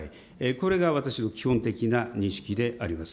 これが私の基本的な認識であります。